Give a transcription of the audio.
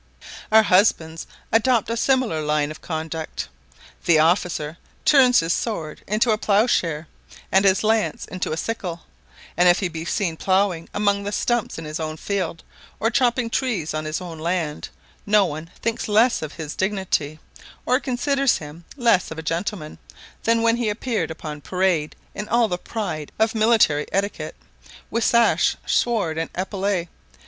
Our husbands adopt a similar line of conduct: the officer turns his sword into a ploughshare, and his lance into a sickle; and if he be seen ploughing among the stumps in his own field, or chopping trees on his own land, no one thinks less of his dignity, or considers him less of a gentleman, than when he appeared upon parade in all the pride of military etiquette, with sash, sword and epaulette.